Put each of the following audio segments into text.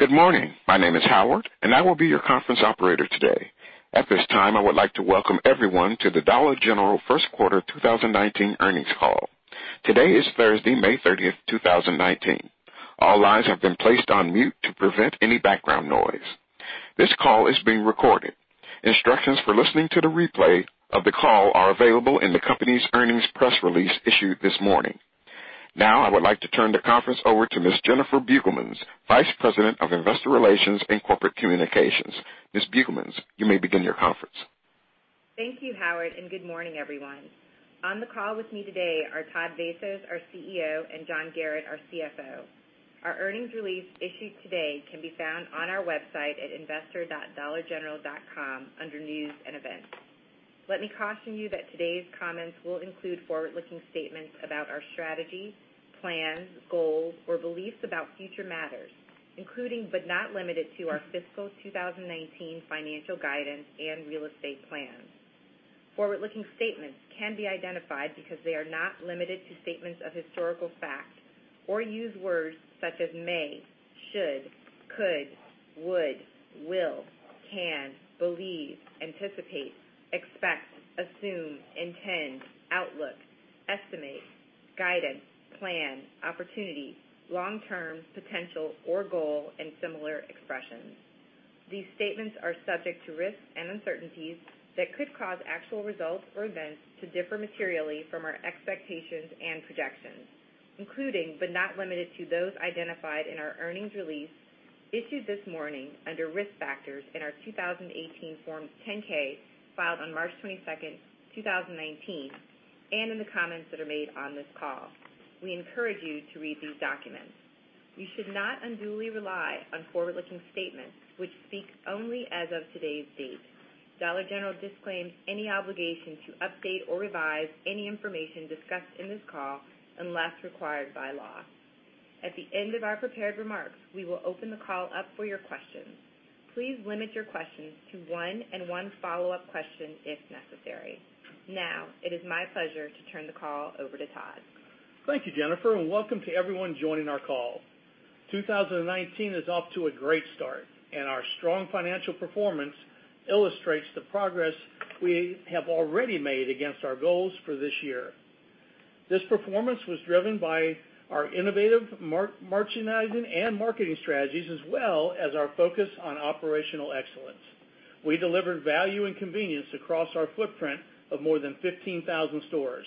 Good morning. My name is Howard, and I will be your conference operator today. At this time, I would like to welcome everyone to the Dollar General First Quarter 2019 Earnings Call. Today is Thursday, May 30, 2019. All lines have been placed on mute to prevent any background noise. This call is being recorded. Instructions for listening to the replay of the call are available in the company's earnings press release issued this morning. I would like to turn the conference over to Ms. Jennifer Beugelmans, Vice President of Investor Relations and Corporate Communications. Ms. Beugelmans, you may begin your conference. Thank you, Howard, and good morning, everyone. On the call with me today are Todd Vasos, our CEO, and John Garratt, our CFO. Our earnings release issued today can be found on our website at investor.dollargeneral.com under News and Events. Let me caution you that today's comments will include forward-looking statements about our strategy, plans, goals, or beliefs about future matters, including but not limited to our fiscal 2019 financial guidance and real estate plans. Forward-looking statements can be identified because they are not limited to statements of historical fact or use words such as may, should, could, would, will, can, believe, anticipate, expect, assume, intend, outlook, estimate, guidance, plan, opportunity, long-term, potential, or goal, and similar expressions. These statements are subject to risks and uncertainties that could cause actual results or events to differ materially from our expectations and projections, including but not limited to those identified in our earnings release issued this morning under Risk Factors in our 2018 Form 10-K filed on March 22nd, 2019, and in the comments that are made on this call. We encourage you to read these documents. You should not unduly rely on forward-looking statements which speak only as of today's date. Dollar General disclaims any obligation to update or revise any information discussed in this call unless required by law. At the end of our prepared remarks, we will open the call up for your questions. Please limit your questions to one and one follow-up question if necessary. It is my pleasure to turn the call over to Todd. Thank you, Jennifer, and welcome to everyone joining our call. 2019 is off to a great start, and our strong financial performance illustrates the progress we have already made against our goals for this year. This performance was driven by our innovative merchandising and marketing strategies as well as our focus on operational excellence. We delivered value and convenience across our footprint of more than 15,000 stores,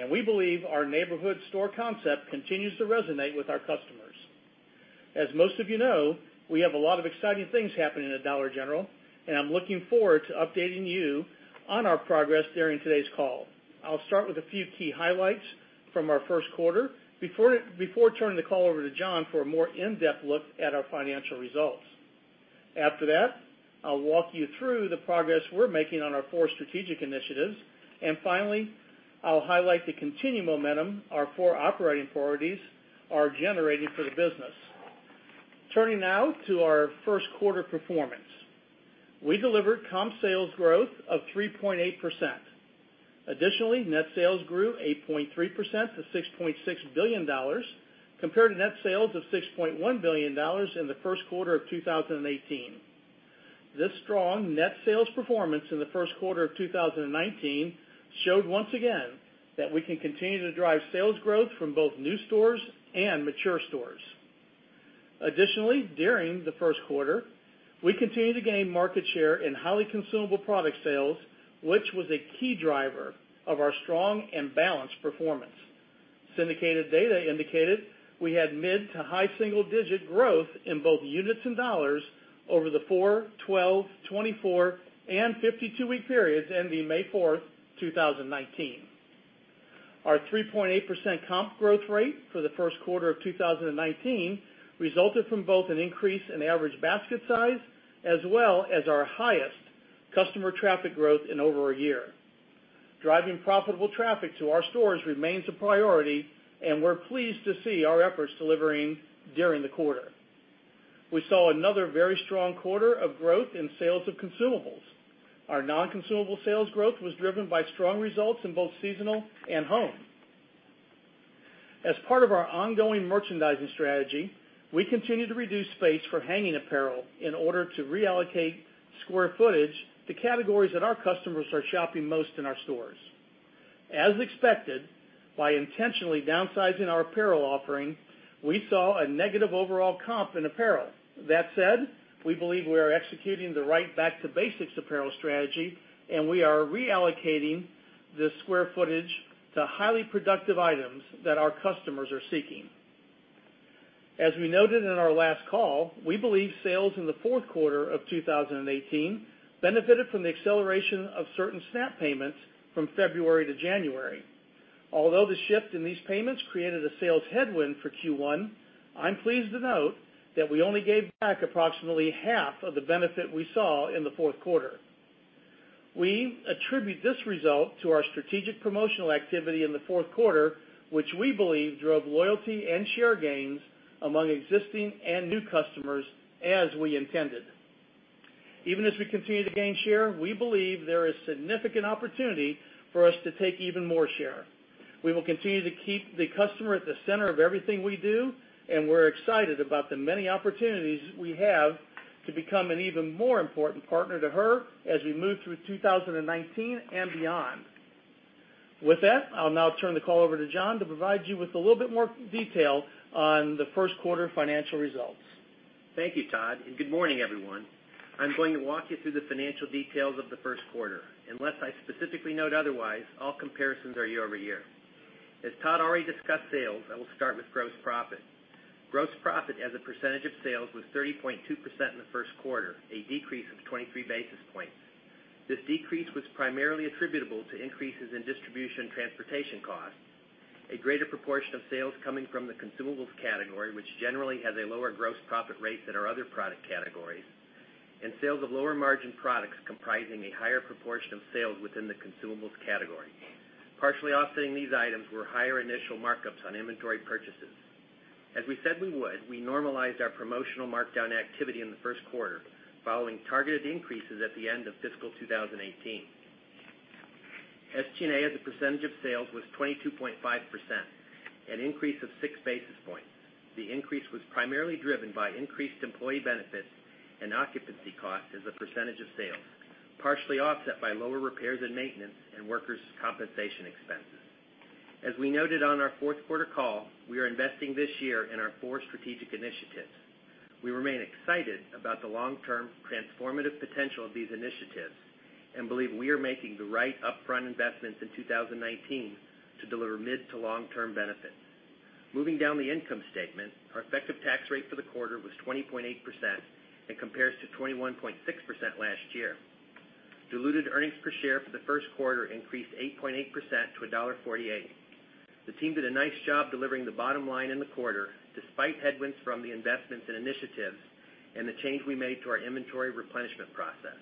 and we believe our neighborhood store concept continues to resonate with our customers. As most of you know, we have a lot of exciting things happening at Dollar General, and I'm looking forward to updating you on our progress during today's call. I'll start with a few key highlights from our first quarter before turning the call over to John for a more in-depth look at our financial results. After that, I'll walk you through the progress we're making on our four strategic initiatives, and finally, I'll highlight the continued momentum our four operating priorities are generating for the business. Turning now to our first quarter performance. We delivered comp sales growth of 3.8%. Additionally, net sales grew 8.3% to $6.6 billion compared to net sales of $6.1 billion in the first quarter of 2018. This strong net sales performance in the first quarter of 2019 showed once again that we can continue to drive sales growth from both new stores and mature stores. Additionally, during the first quarter, we continued to gain market share in highly consumable product sales, which was a key driver of our strong and balanced performance. Syndicated data indicated we had mid to high single-digit growth in both units and dollars over the 4, 12, 24, and 52-week periods ending May 4th, 2019. Our 3.8% comp growth rate for the first quarter of 2019 resulted from both an increase in average basket size as well as our highest customer traffic growth in over a year. Driving profitable traffic to our stores remains a priority, and we're pleased to see our efforts delivering during the quarter. We saw another very strong quarter of growth in sales of consumables. Our non-consumable sales growth was driven by strong results in both seasonal and home. As part of our ongoing merchandising strategy, we continue to reduce space for hanging apparel in order to reallocate square footage to categories that our customers are shopping most in our stores. As expected, by intentionally downsizing our apparel offering, we saw a negative overall comp in apparel. That said, we believe we are executing the right back-to-basics apparel strategy, and we are reallocating the square footage to highly productive items that our customers are seeking. As we noted in our last call, we believe sales in the fourth quarter of 2018 benefited from the acceleration of certain SNAP payments from February to January. Although the shift in these payments created a sales headwind for Q1, I'm pleased to note that we only gave back approximately half of the benefit we saw in the fourth quarter. We attribute this result to our strategic promotional activity in the fourth quarter, which we believe drove loyalty and share gains among existing and new customers as we intended. Even as we continue to gain share, we believe there is significant opportunity for us to take even more share. We will continue to keep the customer at the center of everything we do, and we're excited about the many opportunities we have to become an even more important partner to her as we move through 2019 and beyond. With that, I'll now turn the call over to John to provide you with a little bit more detail on the first quarter financial results. Thank you, Todd, and good morning, everyone. I'm going to walk you through the financial details of the first quarter. Unless I specifically note otherwise, all comparisons are year-over-year. As Todd already discussed sales, I will start with gross profit. Gross profit as a percentage of sales was 30.2% in the first quarter, a decrease of 23 basis points. This decrease was primarily attributable to increases in distribution transportation costs, a greater proportion of sales coming from the consumables category, which generally has a lower gross profit rate than our other product categories, and sales of lower margin products comprising a higher proportion of sales within the consumables category. Partially offsetting these items were higher initial markups on inventory purchases. As we said we would, we normalized our promotional markdown activity in the first quarter, following targeted increases at the end of fiscal 2018. SG&A as a percentage of sales was 22.5%, an increase of six basis points. The increase was primarily driven by increased employee benefits and occupancy costs as a percentage of sales, partially offset by lower repairs and maintenance and workers' compensation expenses. As we noted on our fourth quarter call, we are investing this year in our four strategic initiatives. We remain excited about the long-term transformative potential of these initiatives and believe we are making the right upfront investments in 2019 to deliver mid to long-term benefits. Moving down the income statement, our effective tax rate for the quarter was 20.8% and compares to 21.6% last year. Diluted earnings per share for the first quarter increased 8.8% to $1.48. The team did a nice job delivering the bottom line in the quarter, despite headwinds from the investments and initiatives and the change we made to our inventory replenishment process.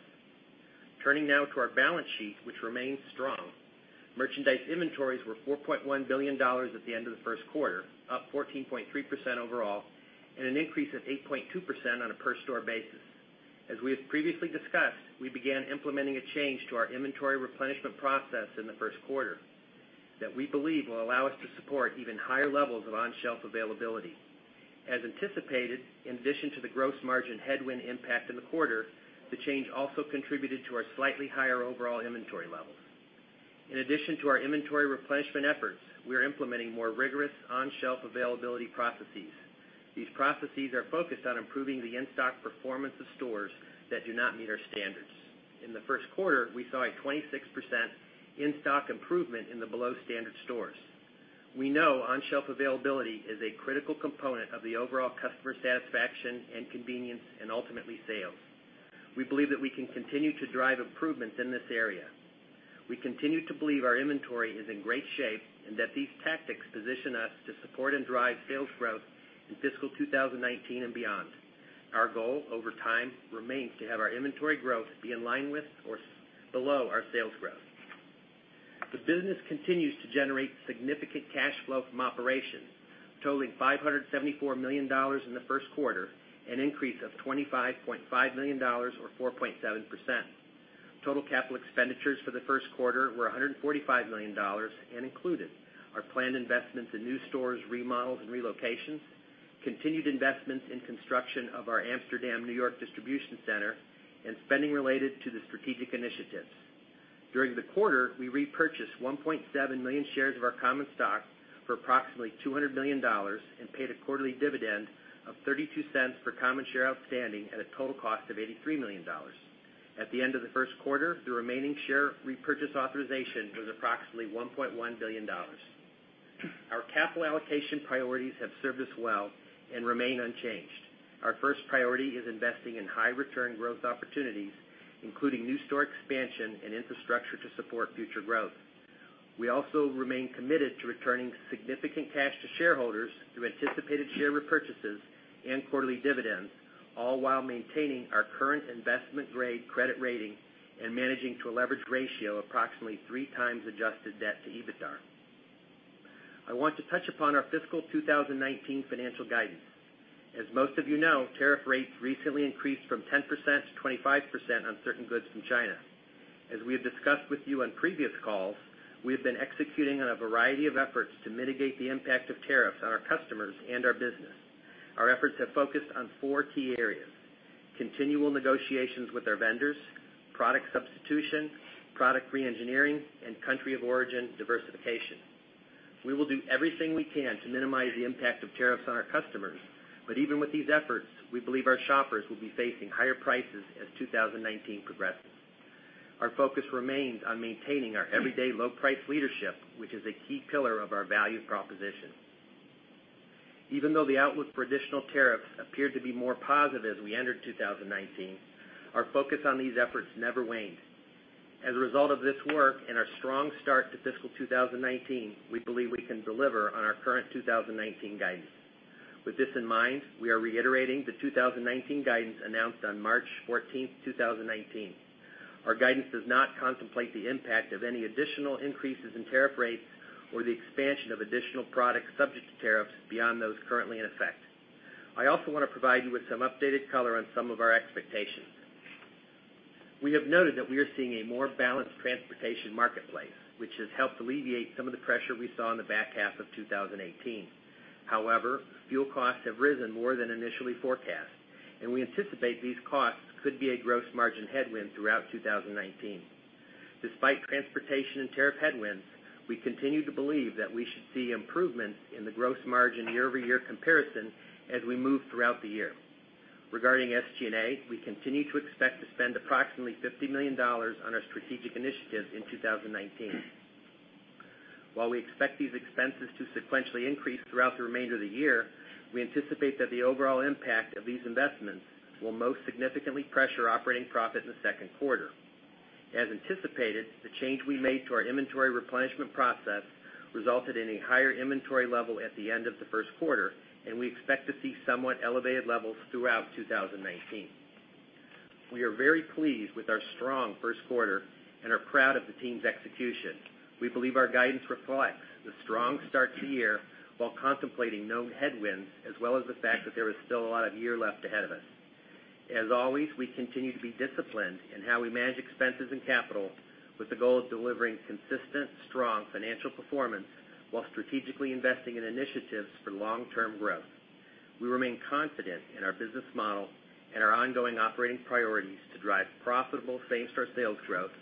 Turning now to our balance sheet, which remains strong. Merchandise inventories were $4.1 billion at the end of the first quarter, up 14.3% overall and an increase of 8.2% on a per store basis. As we have previously discussed, we began implementing a change to our inventory replenishment process in the first quarter that we believe will allow us to support even higher levels of on-shelf availability. As anticipated, in addition to the gross margin headwind impact in the quarter, the change also contributed to our slightly higher overall inventory levels. In addition to our inventory replenishment efforts, we are implementing more rigorous on-shelf availability processes. These processes are focused on improving the in-stock performance of stores that do not meet our standards. In the first quarter, we saw a 26% in-stock improvement in the below-standard stores. We know on-shelf availability is a critical component of the overall customer satisfaction and convenience, and ultimately, sales. We believe that we can continue to drive improvements in this area. We continue to believe our inventory is in great shape and that these tactics position us to support and drive sales growth in fiscal 2019 and beyond. Our goal over time remains to have our inventory growth be in line with or below our sales growth. The business continues to generate significant cash flow from operations, totaling $574 million in the first quarter, an increase of $25.5 million or 4.7%. Total capital expenditures for the first quarter were $145 million and included our planned investments in new stores, remodels, and relocations, continued investments in construction of our Amsterdam, New York, distribution center, and spending related to the strategic initiatives. During the quarter, we repurchased 1.7 million shares of our common stock for approximately $200 million and paid a quarterly dividend of $0.32 per common share outstanding at a total cost of $83 million. At the end of the first quarter, the remaining share repurchase authorization was approximately $1.1 billion. Our capital allocation priorities have served us well and remain unchanged. Our first priority is investing in high return growth opportunities, including new store expansion and infrastructure to support future growth. We also remain committed to returning significant cash to shareholders through anticipated share repurchases and quarterly dividends, all while maintaining our current investment-grade credit rating and managing to a leverage ratio approximately three times adjusted debt to EBITDA. I want to touch upon our fiscal 2019 financial guidance. As most of you know, tariff rates recently increased from 10% to 25% on certain goods from China. As we have discussed with you on previous calls, we have been executing on a variety of efforts to mitigate the impact of tariffs on our customers and our business. Our efforts have focused on four key areas: continual negotiations with our vendors, product substitution, product re-engineering, and country of origin diversification. We will do everything we can to minimize the impact of tariffs on our customers, but even with these efforts, we believe our shoppers will be facing higher prices as 2019 progresses. Our focus remains on maintaining our everyday low price leadership, which is a key pillar of our value proposition. Even though the outlook for additional tariffs appeared to be more positive as we entered 2019, our focus on these efforts never waned. As a result of this work and our strong start to fiscal 2019, we believe we can deliver on our current 2019 guidance. With this in mind, we are reiterating the 2019 guidance announced on March 14th, 2019. Our guidance does not contemplate the impact of any additional increases in tariff rates or the expansion of additional products subject to tariffs beyond those currently in effect. I also want to provide you with some updated color on some of our expectations. We have noted that we are seeing a more balanced transportation marketplace, which has helped alleviate some of the pressure we saw in the back half of 2018. However, fuel costs have risen more than initially forecast, and we anticipate these costs could be a gross margin headwind throughout 2019. Despite transportation and tariff headwinds, we continue to believe that we should see improvements in the gross margin year-over-year comparison as we move throughout the year. Regarding SG&A, we continue to expect to spend approximately $50 million on our strategic initiatives in 2019. While we expect these expenses to sequentially increase throughout the remainder of the year, we anticipate that the overall impact of these investments will most significantly pressure operating profit in the second quarter. As anticipated, the change we made to our inventory replenishment process resulted in a higher inventory level at the end of the first quarter, and we expect to see somewhat elevated levels throughout 2019. We are very pleased with our strong first quarter and are proud of the team's execution. We believe our guidance reflects the strong start to the year while contemplating known headwinds, as well as the fact that there is still a lot of year left ahead of us. As always, we continue to be disciplined in how we manage expenses and capital, with the goal of delivering consistent, strong financial performance while strategically investing in initiatives for long-term growth. We remain confident in our business model and our ongoing operating priorities to drive profitable same-store sales growth,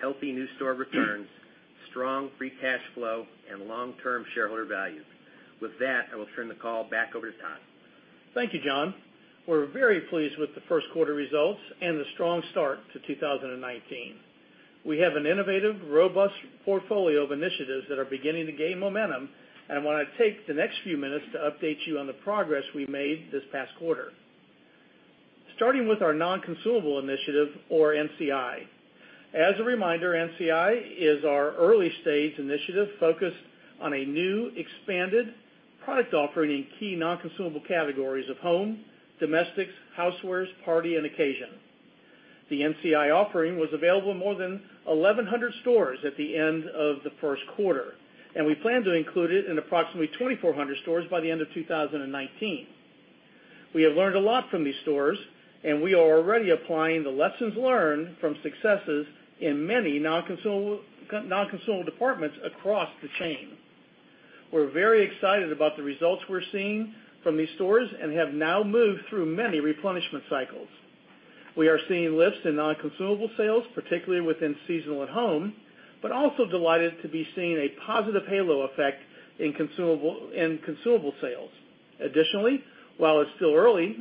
healthy new store returns, strong free cash flow, and long-term shareholder value. With that, I will turn the call back over to Todd. Thank you, John. We're very pleased with the first quarter results and the strong start to 2019. We have an innovative, robust portfolio of initiatives that are beginning to gain momentum, I want to take the next few minutes to update you on the progress we made this past quarter. Starting with our non-consumable initiative, or NCI. As a reminder, NCI is our early-stage initiative focused on a new, expanded product offering in key non-consumable categories of home, domestics, housewares, party, and occasion. The NCI offering was available in more than 1,100 stores at the end of the first quarter, We plan to include it in approximately 2,400 stores by the end of 2019. We have learned a lot from these stores, We are already applying the lessons learned from successes in many non-consumable departments across the chain. We're very excited about the results we're seeing from these stores have now moved through many replenishment cycles. We are seeing lifts in non-consumable sales, particularly within seasonal at home, also delighted to be seeing a positive halo effect in consumable sales. Additionally, while it's still early,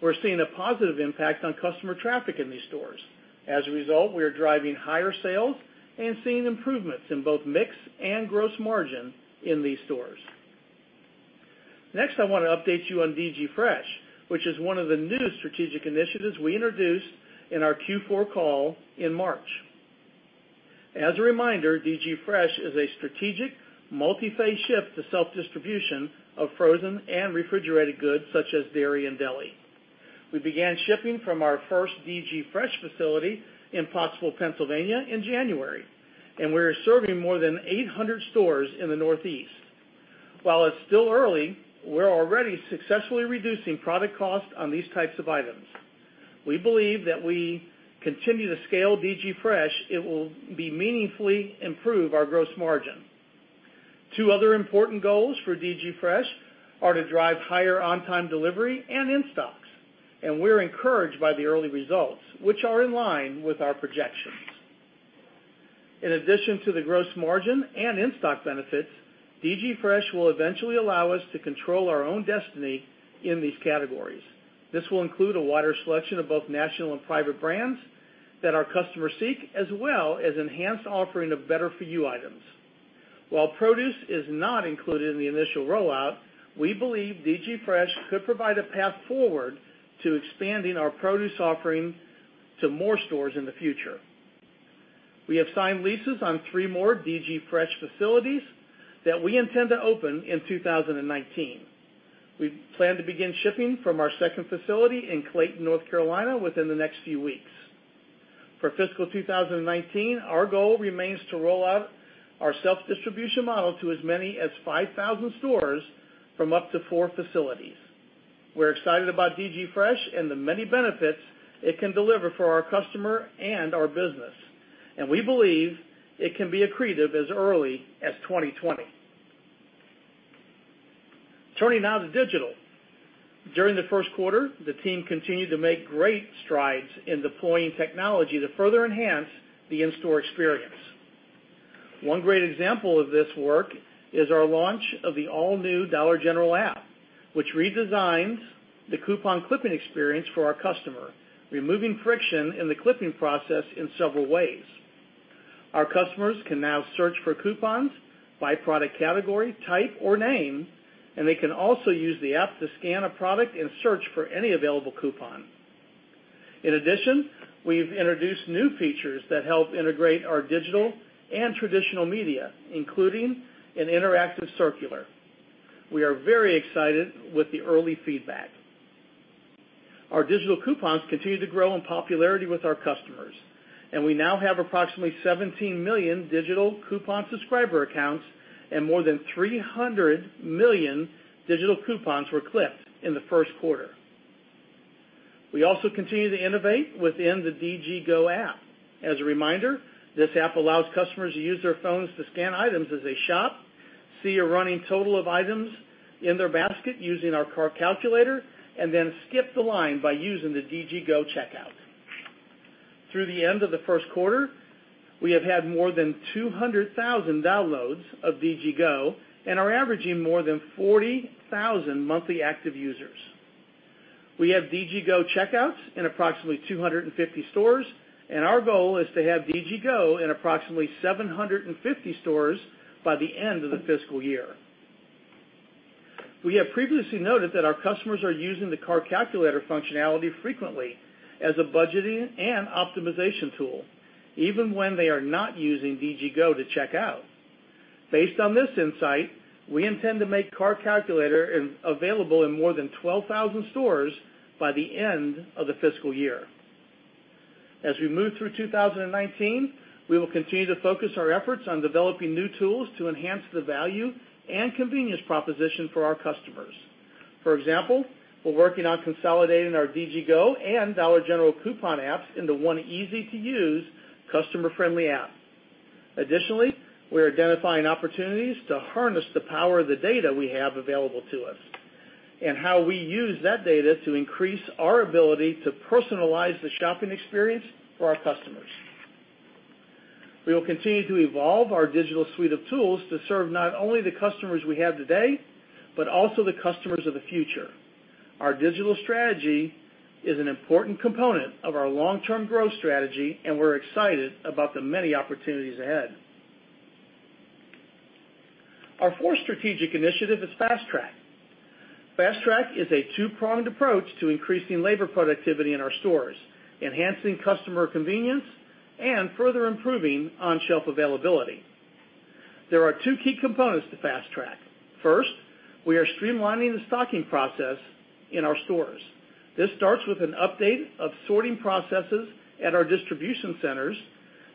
we're seeing a positive impact on customer traffic in these stores. As a result, we are driving higher sales and seeing improvements in both mix and gross margin in these stores. Next, I want to update you on DG Fresh, which is one of the newest strategic initiatives we introduced in our Q4 call in March. As a reminder, DG Fresh is a strategic, multi-phase shift to self-distribution of frozen and refrigerated goods, such as dairy and deli. We began shipping from our first DG Fresh facility in Pottsville, Pennsylvania, in January, We are serving more than 800 stores in the Northeast. While it's still early, we're already successfully reducing product cost on these types of items. We believe that we continue to scale DG Fresh, it will meaningfully improve our gross margin. Two other important goals for DG Fresh are to drive higher on-time delivery and in-stocks, We're encouraged by the early results, which are in line with our projections. In addition to the gross margin and in-stock benefits, DG Fresh will eventually allow us to control our own destiny in these categories. This will include a wider selection of both national and private brands that our customers seek, as well as enhanced offering of better-for-you items. While produce is not included in the initial rollout, we believe DG Fresh could provide a path forward to expanding our produce offering to more stores in the future. We have signed leases on three more DG Fresh facilities that we intend to open in 2019. We plan to begin shipping from our second facility in Clayton, North Carolina, within the next few weeks. For fiscal 2019, our goal remains to roll out our self-distribution model to as many as 5,000 stores from up to four facilities. We're excited about DG Fresh and the many benefits it can deliver for our customer and our business, and we believe it can be accretive as early as 2020. Turning now to digital. During the first quarter, the team continued to make great strides in deploying technology to further enhance the in-store experience. One great example of this work is our launch of the all-new Dollar General app, which redesigns the coupon clipping experience for our customer, removing friction in the clipping process in several ways. Our customers can now search for coupons by product category, type, or name, and they can also use the app to scan a product and search for any available coupon. In addition, we've introduced new features that help integrate our digital and traditional media, including an interactive circular. We are very excited with the early feedback. Our digital coupons continue to grow in popularity with our customers, and we now have approximately 17 million digital coupon subscriber accounts, and more than 300 million digital coupons were clipped in the first quarter. We also continue to innovate within the DG Go app. As a reminder, this app allows customers to use their phones to scan items as they shop, see a running total of items in their basket using our Cart Calculator, and then skip the line by using the DG Go checkout. Through the end of the first quarter, we have had more than 200,000 downloads of DG Go and are averaging more than 40,000 monthly active users. We have DG Go checkouts in approximately 250 stores, and our goal is to have DG Go in approximately 750 stores by the end of the fiscal year. We have previously noted that our customers are using the Cart Calculator functionality frequently as a budgeting and optimization tool, even when they are not using DG Go to check out. Based on this insight, we intend to make Cart Calculator available in more than 12,000 stores by the end of the fiscal year. As we move through 2019, we will continue to focus our efforts on developing new tools to enhance the value and convenience proposition for our customers. For example, we're working on consolidating our DG Go and Dollar General coupon apps into one easy-to-use, customer-friendly app. Additionally, we're identifying opportunities to harness the power of the data we have available to us and how we use that data to increase our ability to personalize the shopping experience for our customers. We will continue to evolve our digital suite of tools to serve not only the customers we have today, but also the customers of the future. Our digital strategy is an important component of our long-term growth strategy, and we're excited about the many opportunities ahead. Our fourth strategic initiative is Fast Track. Fast Track is a two-pronged approach to increasing labor productivity in our stores, enhancing customer convenience, and further improving on-shelf availability. There are two key components to Fast Track. First, we are streamlining the stocking process in our stores. This starts with an update of sorting processes at our distribution centers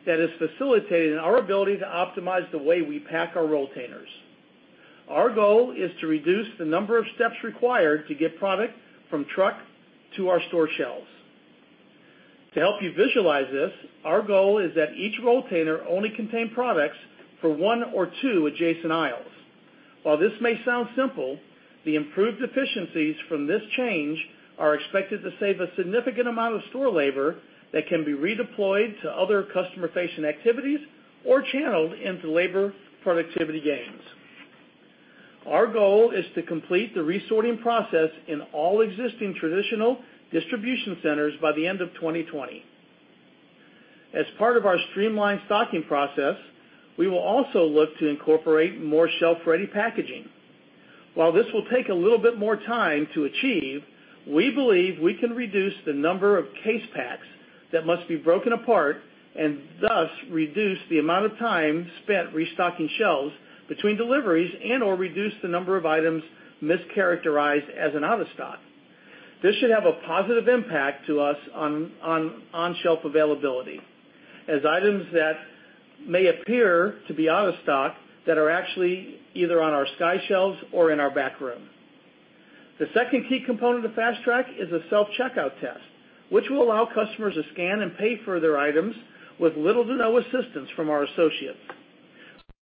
that is facilitating our ability to optimize the way we pack our rolltainers. Our goal is to reduce the number of steps required to get product from truck to our store shelves. To help you visualize this, our goal is that each rolltainer only contain products for one or two adjacent aisles. While this may sound simple, the improved efficiencies from this change are expected to save a significant amount of store labor that can be redeployed to other customer-facing activities or channeled into labor productivity gains. Our goal is to complete the resorting process in all existing traditional distribution centers by the end of 2020. As part of our streamlined stocking process, we will also look to incorporate more shelf-ready packaging. While this will take a little bit more time to achieve, we believe we can reduce the number of case packs that must be broken apart, and thus reduce the amount of time spent restocking shelves between deliveries and/or reduce the number of items mischaracterized as an out of stock. This should have a positive impact to us on on-shelf availability, as items that may appear to be out of stock that are actually either on our sky shelves or in our back room. The second key component of Fast Track is a self-checkout test, which will allow customers to scan and pay for their items with little to no assistance from our associates.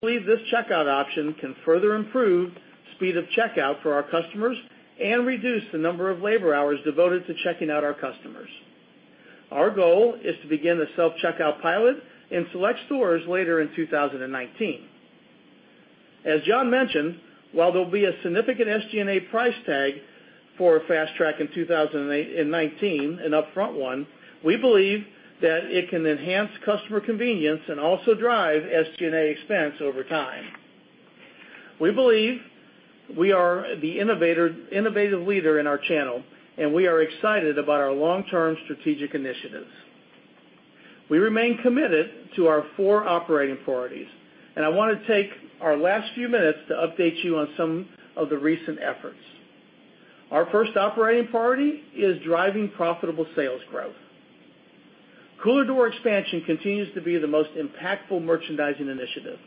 We believe this checkout option can further improve speed of checkout for our customers and reduce the number of labor hours devoted to checking out our customers. Our goal is to begin the self-checkout pilot in select stores later in 2019. As John mentioned, while there will be a significant SG&A price tag for Fast Track in 2019, an upfront one, we believe that it can enhance customer convenience and also drive SG&A expense over time. We believe we are the innovative leader in our channel, and we are excited about our long-term strategic initiatives. We remain committed to our four operating priorities, and I want to take our last few minutes to update you on some of the recent efforts. Our first operating priority is driving profitable sales growth. Cooler door expansion continues to be the most impactful merchandising initiative.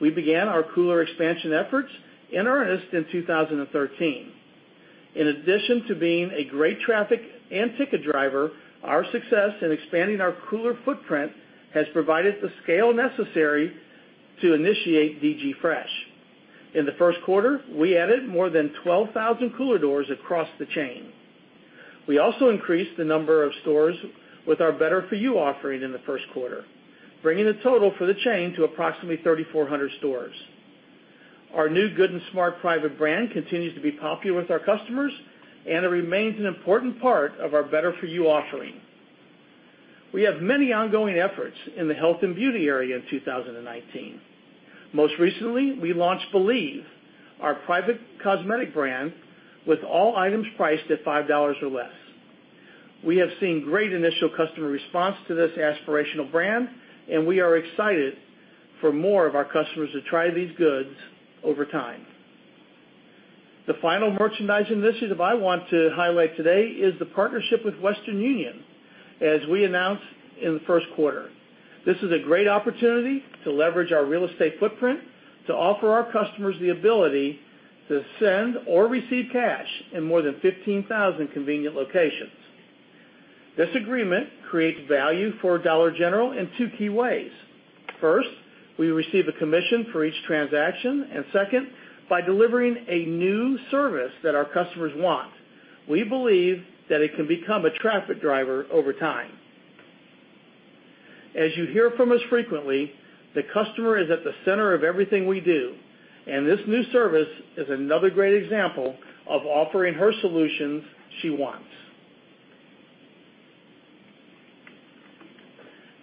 We began our cooler expansion efforts in earnest in 2013. In addition to being a great traffic and ticket driver, our success in expanding our cooler footprint has provided the scale necessary to initiate DG Fresh. In the first quarter, we added more than 12,000 cooler doors across the chain. We also increased the number of stores with our Better For You offering in the first quarter, bringing the total for the chain to approximately 3,400 stores. Our new Good & Smart private brand continues to be popular with our customers, and it remains an important part of our Better For You offering. We have many ongoing efforts in the health and beauty area in 2019. Most recently, we launched Believe, our private cosmetic brand, with all items priced at $5 or less. We have seen great initial customer response to this aspirational brand, and we are excited for more of our customers to try these goods over time. The final merchandising initiative I want to highlight today is the partnership with Western Union, as we announced in the first quarter. This is a great opportunity to leverage our real estate footprint to offer our customers the ability to send or receive cash in more than 15,000 convenient locations. This agreement creates value for Dollar General in two key ways. First, we receive a commission for each transaction, and second, by delivering a new service that our customers want. We believe that it can become a traffic driver over time. As you hear from us frequently, the customer is at the center of everything we do, and this new service is another great example of offering her solutions she wants.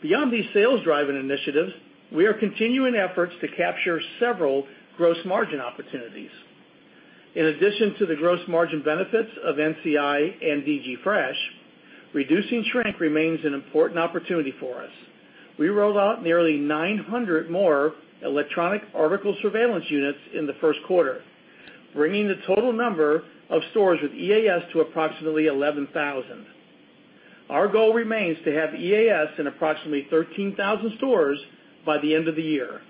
Beyond these sales-driving initiatives, we are continuing efforts to capture several gross margin opportunities. In addition to the gross margin benefits of NCI and DG Fresh, reducing shrink remains an important opportunity for us. We rolled out nearly 900 more electronic article surveillance units in the first quarter, bringing the total number of stores with EAS to approximately 11,000. Our goal remains to have EAS in approximately 13,000 stores by the end of the year.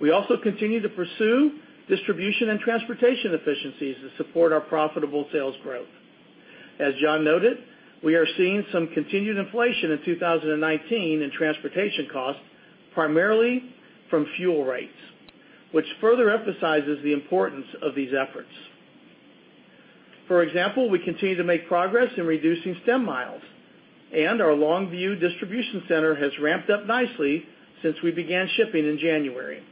We also continue to pursue distribution and transportation efficiencies to support our profitable sales growth. As John noted, we are seeing some continued inflation in 2019 in transportation costs, primarily from fuel rates, which further emphasizes the importance of these efforts. For example, we continue to make progress in reducing stem miles, and our Longview distribution center has ramped up nicely since we began shipping in January.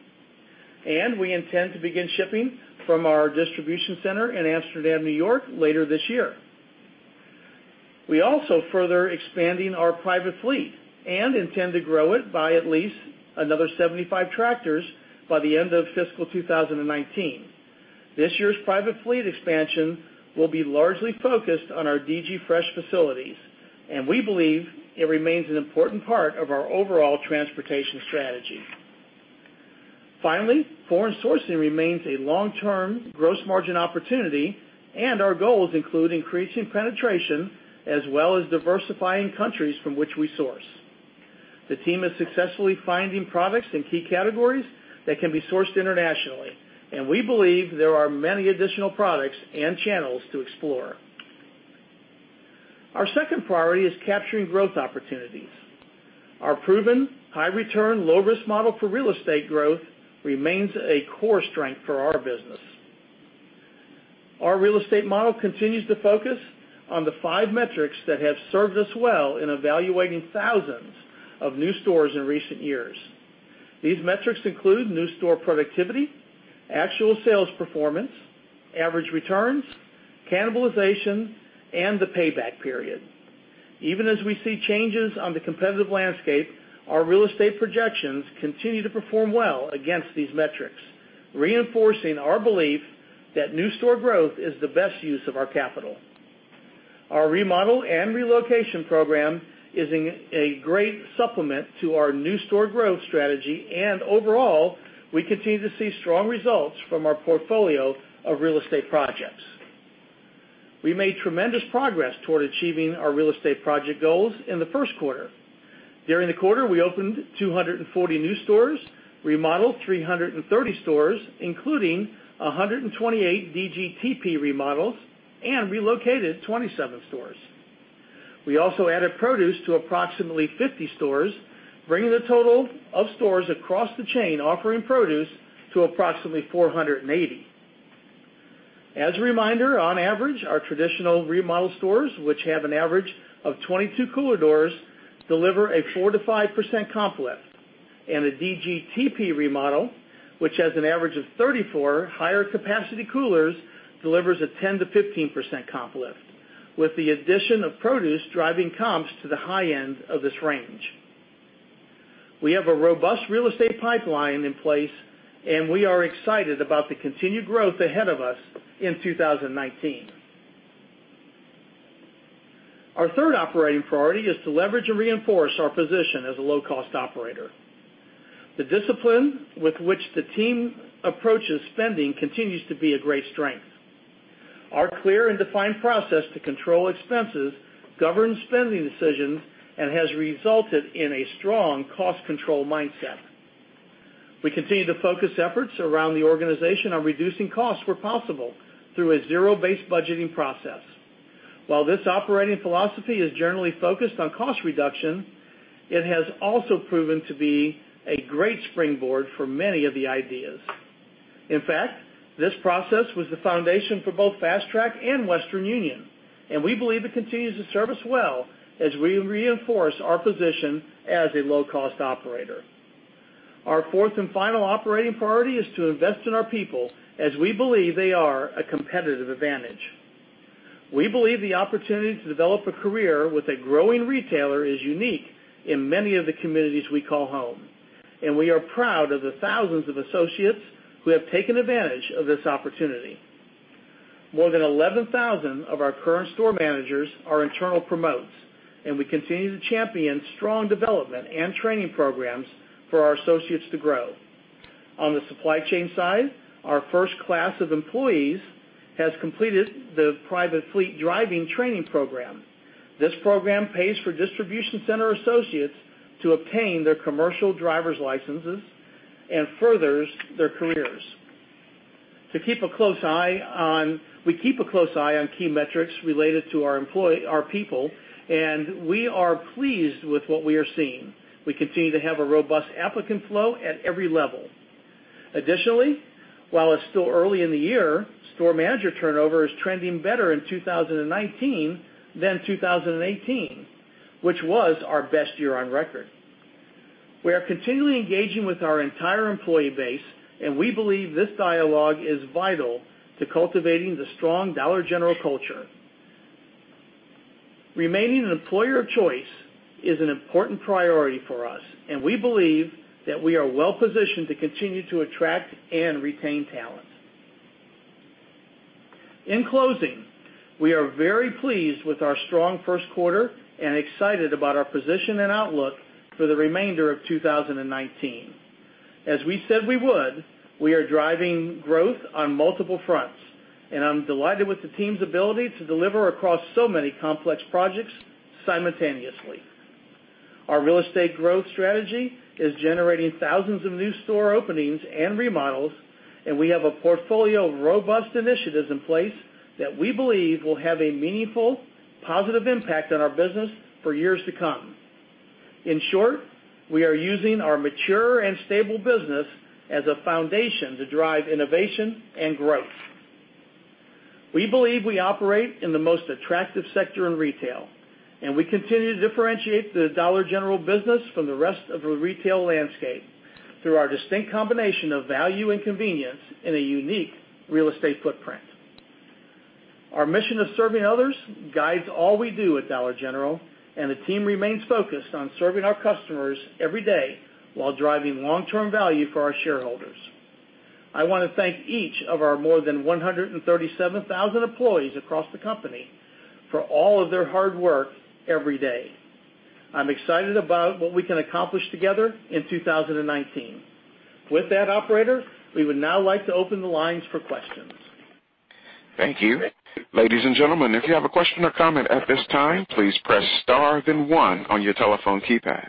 We intend to begin shipping from our distribution center in Amsterdam, New York, later this year. We also further expanding our private fleet and intend to grow it by at least another 75 tractors by the end of fiscal 2019. This year's private fleet expansion will be largely focused on our DG Fresh facilities, and we believe it remains an important part of our overall transportation strategy. Finally, foreign sourcing remains a long-term gross margin opportunity, and our goals include increasing penetration as well as diversifying countries from which we source. The team is successfully finding products in key categories that can be sourced internationally, and we believe there are many additional products and channels to explore. Our second priority is capturing growth opportunities. Our proven high-return, low-risk model for real estate growth remains a core strength for our business. Our real estate model continues to focus on the five metrics that have served us well in evaluating thousands of new stores in recent years. These metrics include new store productivity, actual sales performance, average returns, cannibalization, and the payback period. Even as we see changes on the competitive landscape, our real estate projections continue to perform well against these metrics, reinforcing our belief that new store growth is the best use of our capital. Our remodel and relocation program is a great supplement to our new store growth strategy, and overall, we continue to see strong results from our portfolio of real estate projects. We made tremendous progress toward achieving our real estate project goals in the first quarter. During the quarter, we opened 240 new stores, remodeled 330 stores, including 128 DGTP remodels, and relocated 27 stores. We also added produce to approximately 50 stores, bringing the total of stores across the chain offering produce to approximately 480. As a reminder, on average, our traditional remodel stores, which have an average of 22 cooler doors, deliver a 4%-5% comp lift, and a DGTP remodel, which has an average of 34 higher-capacity coolers, delivers a 10%-15% comp lift, with the addition of produce driving comps to the high end of this range. We have a robust real estate pipeline in place. We are excited about the continued growth ahead of us in 2019. Our third operating priority is to leverage and reinforce our position as a low-cost operator. The discipline with which the team approaches spending continues to be a great strength. Our clear and defined process to control expenses governs spending decisions and has resulted in a strong cost control mindset. We continue to focus efforts around the organization on reducing costs where possible through a zero-based budgeting process. While this operating philosophy is generally focused on cost reduction, it has also proven to be a great springboard for many of the ideas. In fact, this process was the foundation for both Fast Track and Western Union. We believe it continues to serve us well as we reinforce our position as a low-cost operator. Our fourth and final operating priority is to invest in our people as we believe they are a competitive advantage. We believe the opportunity to develop a career with a growing retailer is unique in many of the communities we call home. We are proud of the thousands of associates who have taken advantage of this opportunity. More than 11,000 of our current store managers are internal promotes. We continue to champion strong development and training programs for our associates to grow. On the supply chain side, our first class of employees has completed the private fleet driving training program. This program pays for distribution center associates to obtain their commercial driver's licenses and furthers their careers. We keep a close eye on key metrics related to our people. We are pleased with what we are seeing. We continue to have a robust applicant flow at every level. Additionally, while it's still early in the year, store manager turnover is trending better in 2019 than 2018, which was our best year on record. We are continually engaging with our entire employee base. We believe this dialogue is vital to cultivating the strong Dollar General culture. Remaining an employer of choice is an important priority for us. We believe that we are well-positioned to continue to attract and retain talent. In closing, we are very pleased with our strong first quarter and excited about our position and outlook for the remainder of 2019. As we said we would, we are driving growth on multiple fronts. I'm delighted with the team's ability to deliver across so many complex projects simultaneously. Our real estate growth strategy is generating thousands of new store openings and remodels. We have a portfolio of robust initiatives in place that we believe will have a meaningful, positive impact on our business for years to come. In short, we are using our mature and stable business as a foundation to drive innovation and growth. We believe we operate in the most attractive sector in retail. We continue to differentiate the Dollar General business from the rest of the retail landscape through our distinct combination of value and convenience in a unique real estate footprint. Our mission of serving others guides all we do at Dollar General, the team remains focused on serving our customers every day while driving long-term value for our shareholders. I want to thank each of our more than 137,000 employees across the company for all of their hard work every day. I'm excited about what we can accomplish together in 2019. With that, operator, we would now like to open the lines for questions. Thank you. Ladies and gentlemen, if you have a question or comment at this time, please press star then one on your telephone keypad.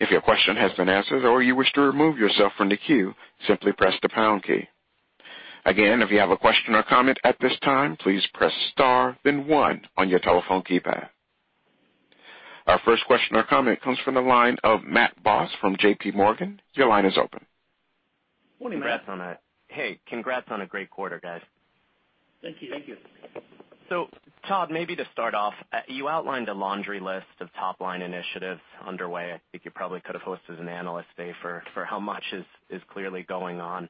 If your question has been answered or you wish to remove yourself from the queue, simply press the pound key. Again, if you have a question or comment at this time, please press star then one on your telephone keypad. Our first question or comment comes from the line of Matt Boss from JPMorgan. Your line is open. Morning, Matt. Hey, congrats on a great quarter, guys. Thank you. Thank you. Todd, maybe to start off, you outlined a laundry list of top-line initiatives underway. I think you probably could have hosted an analyst day for how much is clearly going on.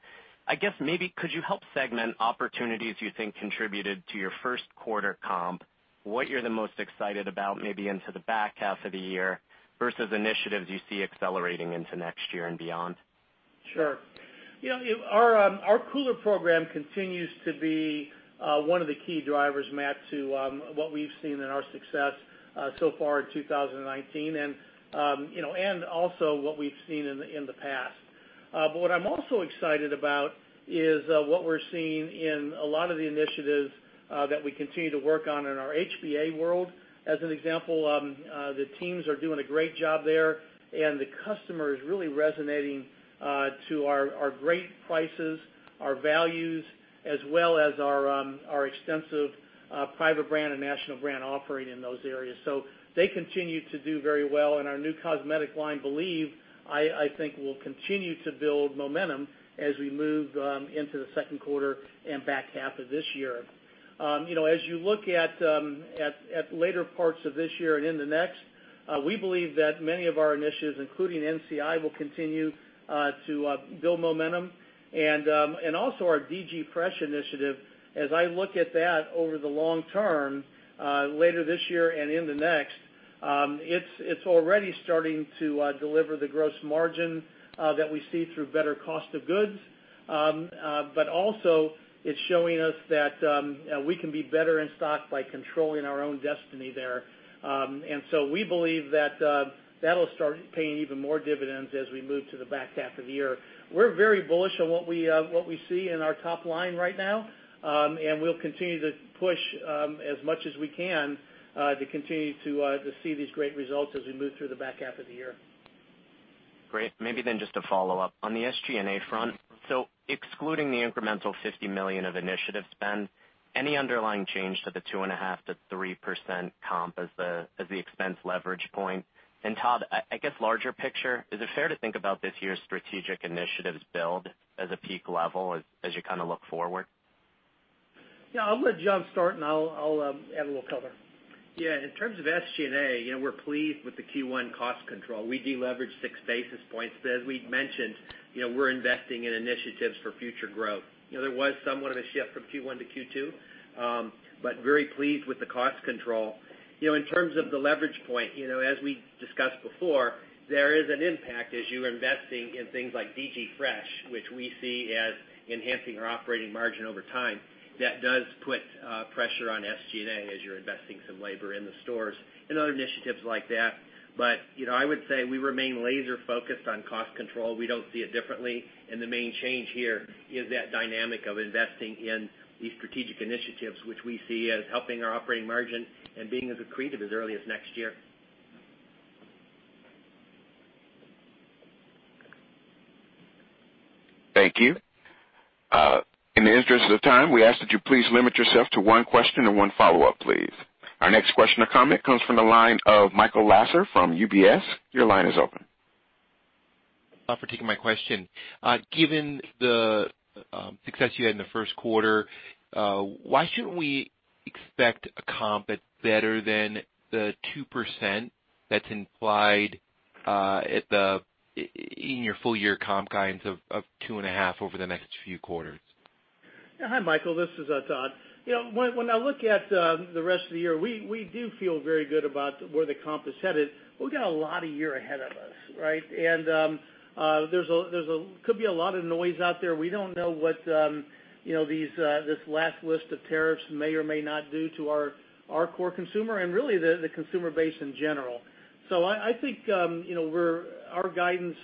I guess maybe could you help segment opportunities you think contributed to your first quarter comp, what you're the most excited about maybe into the back half of the year versus initiatives you see accelerating into next year and beyond? Sure. Our cooler program continues to be one of the key drivers, Matt, to what we've seen in our success so far in 2019 and also what we've seen in the past. What I'm also excited about is what we're seeing in a lot of the initiatives that we continue to work on in our HBA world, as an example. The teams are doing a great job there, and the customer is really resonating to our great prices, our values, as well as our extensive private brand and national brand offering in those areas. They continue to do very well, and our new cosmetic line, Believe, I think will continue to build momentum as we move into the second quarter and back half of this year. As you look at the later parts of this year and into next, we believe that many of our initiatives, including NCI, will continue to build momentum. Also our DG Fresh initiative, as I look at that over the long term, later this year and into next, it's already starting to deliver the gross margin that we see through better cost of goods. Also, it's showing us that we can be better in stock by controlling our own destiny there. So we believe that'll start paying even more dividends as we move to the back half of the year. We're very bullish on what we see in our top line right now, and we'll continue to push as much as we can to continue to see these great results as we move through the back half of the year. Great. Maybe just a follow-up. On the SG&A front, excluding the incremental $50 million of initiative spend, any underlying change to the 2.5%-3% comp as the expense leverage point? Todd, I guess larger picture, is it fair to think about this year's strategic initiatives build as a peak level as you kind of look forward? Yeah, I'm going to jumpstart and I'll add a little color. Yeah. In terms of SG&A, we're pleased with the Q1 cost control. We de-leveraged six basis points. As we'd mentioned, we're investing in initiatives for future growth. There was somewhat of a shift from Q1 to Q2, very pleased with the cost control. In terms of the leverage point, as we discussed before, there is an impact as you're investing in things like DG Fresh, which we see as enhancing our operating margin over time. That does put pressure on SG&A as you're investing some labor in the stores and other initiatives like that. I would say we remain laser focused on cost control. We don't see it differently, the main change here is that dynamic of investing in these strategic initiatives, which we see as helping our operating margin and being as accretive as early as next year. Thank you. In the interest of time, we ask that you please limit yourself to one question and one follow-up, please. Our next question or comment comes from the line of Michael Lasser from UBS. Your line is open. Thanks for taking my question. Given the success you had in the first quarter, why shouldn't we expect a comp that's better than the 2% that's implied in your full-year comp guidance of 2.5% over the next few quarters? Yeah. Hi, Michael, this is Todd. When I look at the rest of the year, we do feel very good about where the comp is headed. We've got a lot of year ahead of us, right? There could be a lot of noise out there. We don't know what this last list of tariffs may or may not do to our core consumer and really the consumer base in general. I think our guidance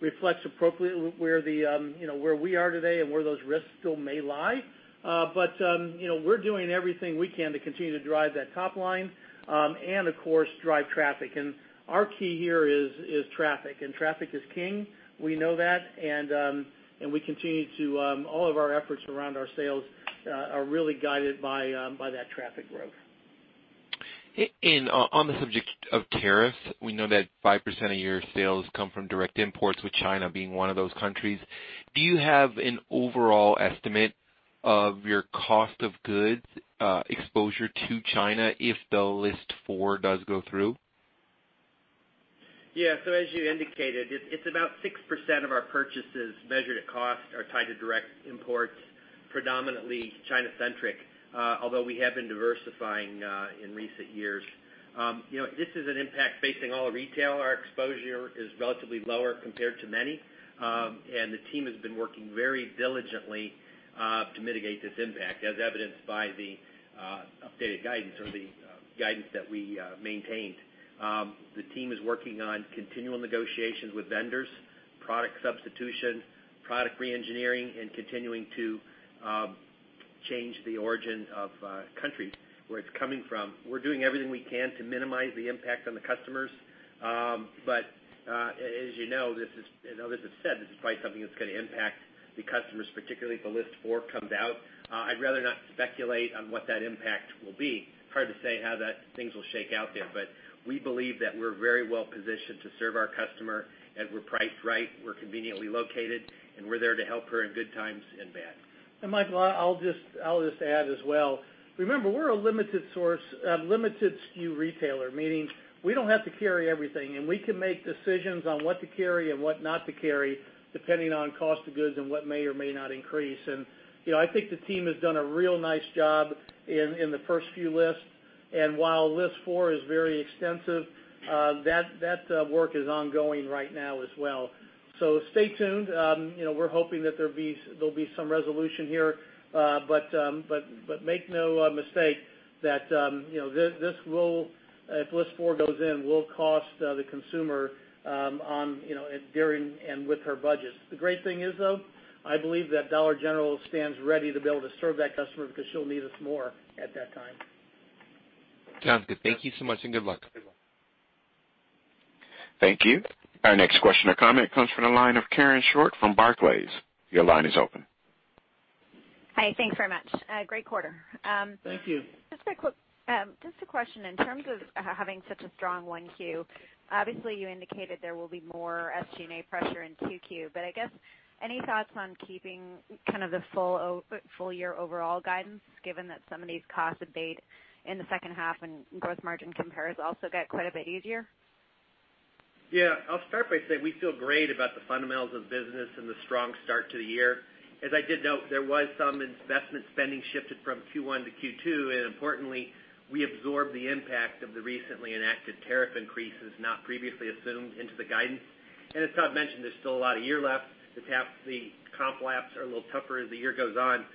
reflects appropriately where we are today and where those risks still may lie. We're doing everything we can to continue to drive that top line, and of course, drive traffic. Our key here is traffic, and traffic is king. We know that. All of our efforts around our sales are really guided by that traffic growth. On the subject of tariffs, we know that 5% of your sales come from direct imports, with China being one of those countries. Do you have an overall estimate of your cost of goods exposure to China if the list four does go through? As you indicated, it's about 6% of our purchases measured at cost are tied to direct imports, predominantly China-centric, although we have been diversifying in recent years. This is an impact facing all retail. Our exposure is relatively lower compared to many. The team has been working very diligently to mitigate this impact, as evidenced by the updated guidance or the guidance that we maintained. The team is working on continual negotiations with vendors, product substitution, product re-engineering, and continuing to change the origin of countries where it's coming from. We're doing everything we can to minimize the impact on the customers. As you know, this is probably something that's going to impact the customers, particularly if the list 4 comes out. I'd rather not speculate on what that impact will be. Hard to say how things will shake out there. We believe that we're very well positioned to serve our customer, and we're priced right, we're conveniently located, and we're there to help her in good times and bad. Michael, I'll just add as well. Remember, we're a limited SKU retailer, meaning we don't have to carry everything, and we can make decisions on what to carry and what not to carry depending on cost of goods and what may or may not increase. I think the team has done a real nice job in the first few lists. While list 4 is very extensive, that work is ongoing right now as well. Stay tuned. We're hoping that there'll be some resolution here. Make no mistake that if list 4 goes in, will cost the consumer during and with her budgets. The great thing is, though, I believe that Dollar General stands ready to be able to serve that customer because she'll need us more at that time. Sounds good. Thank you so much and good luck. Good luck. Thank you. Our next question or comment comes from the line of Karen Short from Barclays. Your line is open. Hi, thanks very much. Great quarter. Thank you. Just a question. In terms of having such a strong one Q, obviously you indicated there will be more SG&A pressure in two Q. I guess any thoughts on keeping kind of the full year overall guidance, given that some of these costs have moved in the second half and gross margin compares also get quite a bit easier? Yeah. I'll start by saying we feel great about the fundamentals of the business and the strong start to the year. As I did note, there was some investment spending shifted from Q1 to Q2. Importantly, we absorbed the impact of the recently enacted tariff increases not previously assumed into the guidance. As Todd mentioned, there's still a lot of year left. The comp laps are a little tougher as the year goes on.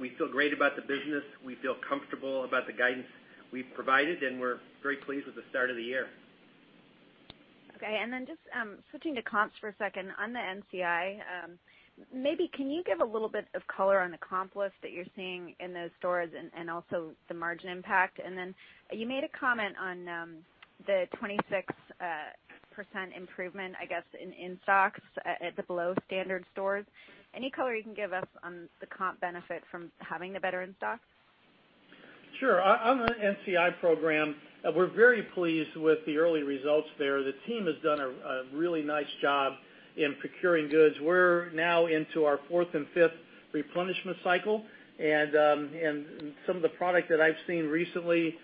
We feel great about the business, we feel comfortable about the guidance we've provided, and we're very pleased with the start of the year. Okay. Just switching to comps for a second. On the NCI, maybe can you give a little bit of color on the comp lift that you're seeing in those stores and also the margin impact? You made a comment on the 26% improvement, I guess, in-stocks at the below standard stores. Any color you can give us on the comp benefit from having the better in-stocks? Sure. On the NCI program, we're very pleased with the early results there. The team has done a really nice job in procuring goods. We're now into our fourth and fifth replenishment cycle. Some of the product that I've seen recently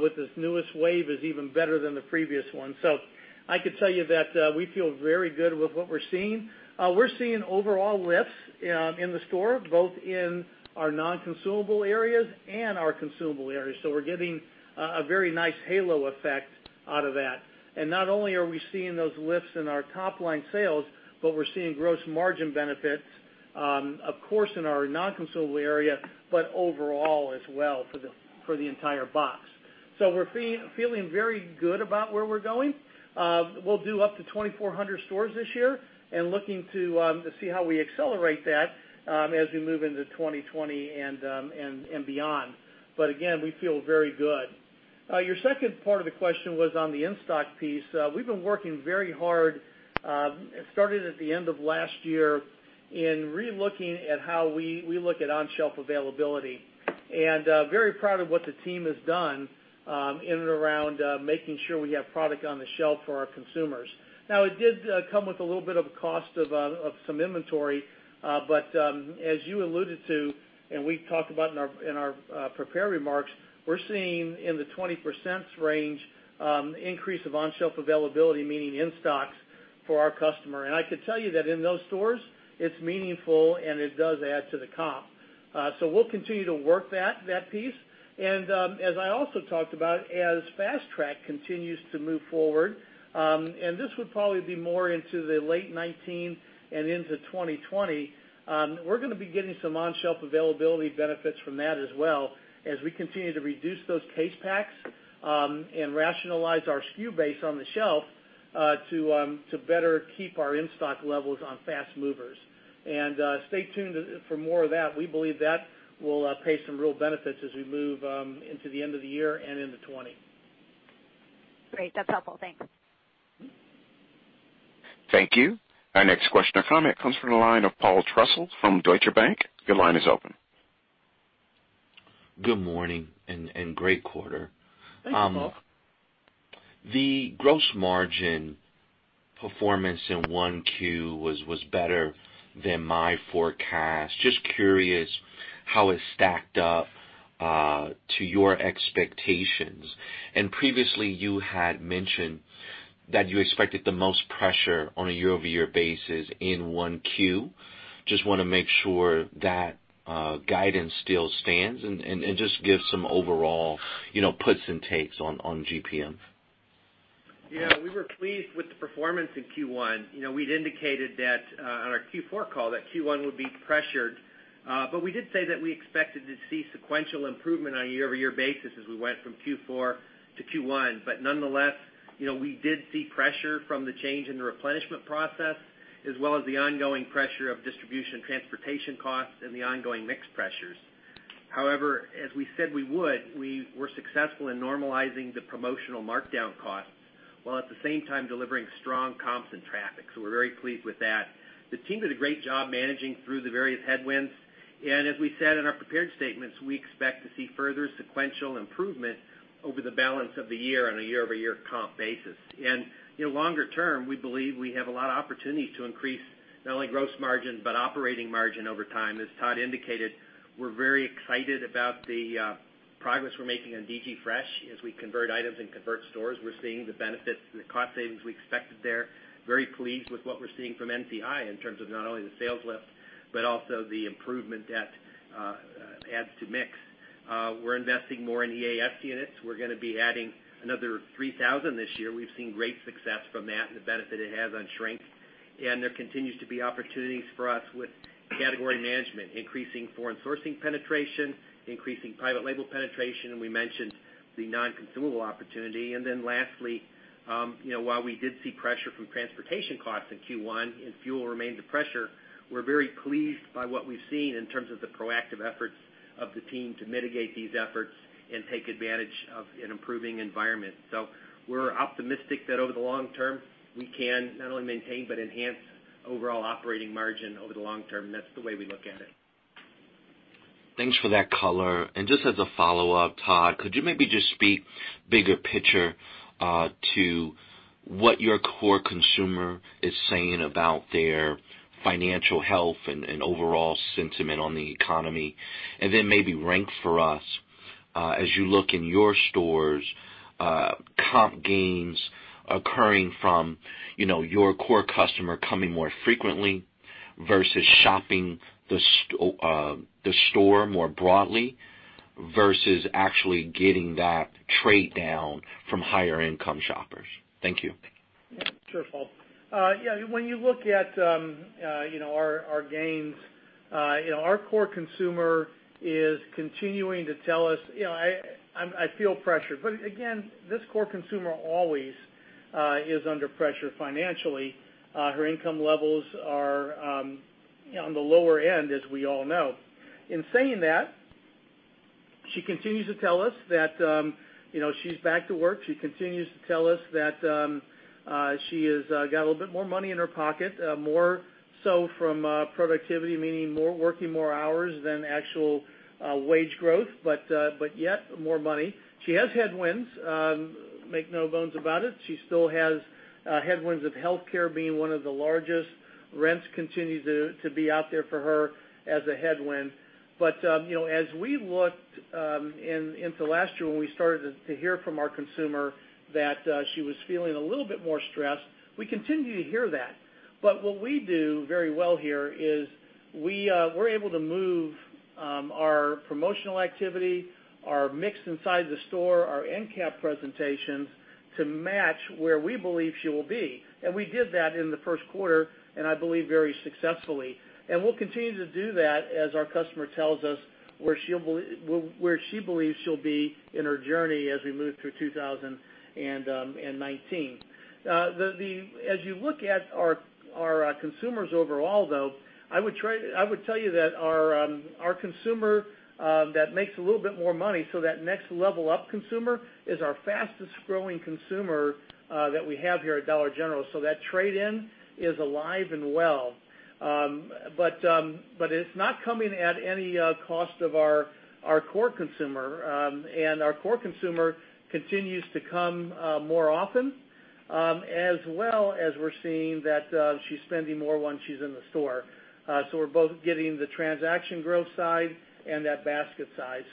with this newest wave is even better than the previous one. I could tell you that we feel very good with what we're seeing. We're seeing overall lifts in the store, both in our non-consumable areas and our consumable areas. We're getting a very nice halo effect out of that. Not only are we seeing those lifts in our top-line sales, we're seeing gross margin benefits, of course, in our non-consumable area, but overall as well for the entire box. We're feeling very good about where we're going. We'll do up to 2,400 stores this year and looking to see how we accelerate that as we move into 2020 and beyond. Again, we feel very good. Your second part of the question was on the in-stock piece. We've been working very hard, started at the end of last year, in re-looking at how we look at on-shelf availability. Very proud of what the team has done in and around making sure we have product on the shelf for our consumers. Now, it did come with a little bit of a cost of some inventory. As you alluded to, and we talked about in our prepared remarks, we're seeing in the 20% range increase of on-shelf availability, meaning in stocks for our customer. I could tell you that in those stores, it's meaningful, and it does add to the comp. We'll continue to work that piece. As I also talked about, as Fast Track continues to move forward, and this would probably be more into the late 2019 and into 2020, we're going to be getting some on-shelf availability benefits from that as well as we continue to reduce those case packs and rationalize our SKU base on the shelf to better keep our in-stock levels on fast movers. Stay tuned for more of that. We believe that will pay some real benefits as we move into the end of the year and into 2020. Great. That's helpful. Thanks. Thank you. Our next question or comment comes from the line of Paul Trussell from Deutsche Bank. Your line is open. Good morning, great quarter. Thanks, Paul. The gross margin performance in one Q was better than my forecast. Just curious how it stacked up to your expectations. Previously, you had mentioned that you expected the most pressure on a year-over-year basis in one Q. Just want to make sure that guidance still stands and just give some overall puts and takes on GPM. Yeah. We were pleased with the performance in Q1. We'd indicated that on our Q4 call that Q1 would be pressured. We did say that we expected to see sequential improvement on a year-over-year basis as we went from Q4 to Q1. Nonetheless, we did see pressure from the change in the replenishment process, as well as the ongoing pressure of distribution transportation costs and the ongoing mix pressures. However, as we said we would, we were successful in normalizing the promotional markdown costs while at the same time delivering strong comps and traffic. We're very pleased with that. The team did a great job managing through the various headwinds, as we said in our prepared statements, we expect to see further sequential improvement over the balance of the year on a year-over-year comp basis. Longer term, we believe we have a lot of opportunities to increase not only gross margin, but operating margin over time. As Todd indicated, we're very excited about the progress we're making on DG Fresh. As we convert items and convert stores, we're seeing the benefits and the cost savings we expected there. Very pleased with what we're seeing from NCI in terms of not only the sales lift, but also the improvement that adds to mix. We're investing more in EAS units. We're going to be adding another 3,000 this year. We've seen great success from that and the benefit it has on shrink. There continues to be opportunities for us with category management, increasing foreign sourcing penetration, increasing private label penetration, and we mentioned the non-consumable opportunity. Lastly, while we did see pressure from transportation costs in Q1 and fuel remained a pressure, we're very pleased by what we've seen in terms of the proactive efforts of the team to mitigate these efforts and take advantage of an improving environment. We're optimistic that over the long term, we can not only maintain but enhance overall operating margin over the long term. That's the way we look at it. Thanks for that color. Just as a follow-up, Todd, could you maybe just speak bigger picture to what your core consumer is saying about their financial health and overall sentiment on the economy? Maybe rank for us, as you look in your stores, comp gains occurring from your core customer coming more frequently versus shopping the store more broadly versus actually getting that trade down from higher income shoppers. Thank you. Sure, Paul. When you look at our gains, our core consumer is continuing to tell us, "I feel pressured." Again, this core consumer always is under pressure financially. Her income levels are on the lower end, as we all know. In saying that she continues to tell us that she's back to work. She continues to tell us that she has got a little bit more money in her pocket, more so from productivity, meaning working more hours than actual wage growth, but yet more money. She has headwinds, make no bones about it. She still has headwinds of healthcare being one of the largest. Rents continue to be out there for her as a headwind. As we looked into last year, when we started to hear from our consumer that she was feeling a little bit more stressed, we continue to hear that. What we do very well here is we're able to move our promotional activity, our mix inside the store, our end cap presentations to match where we believe she will be. We did that in the first quarter, and I believe very successfully. We'll continue to do that as our customer tells us where she believes she'll be in her journey as we move through 2019. As you look at our consumers overall, though, I would tell you that our consumer that makes a little bit more money, so that next level up consumer, is our fastest-growing consumer that we have here at Dollar General. That trade-in is alive and well. It's not coming at any cost of our core consumer, and our core consumer continues to come more often, as well as we're seeing that she's spending more when she's in the store. We're both getting the transaction growth side and that basket side.